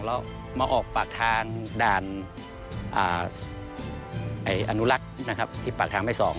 แล้วมาออกปากทางด่านอนุรักษ์นะครับที่ปากทางแม่๒